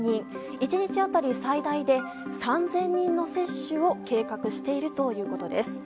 １日当たり最大で３０００人の接種を計画しているということです。